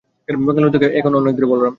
ব্যাঙ্গালোর এখান থেকে অনেক দূরে, বলরাম।